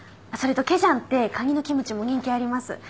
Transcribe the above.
それとケジャンってカニのキムチも人気あります。